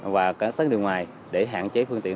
và các tấn đường ngoài để hạn chế phương tiện